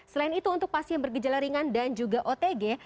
selain itu untuk pasien bergejala ringan dan juga otg